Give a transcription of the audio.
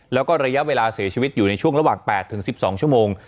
แล้วก็ระยะเวลาเสียชีวิตอยู่ในช่วงระหว่าง๘๑๒ชั่วโมง